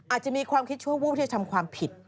อาจจะมีความคิดชั่ววูบที่จะทำความผิด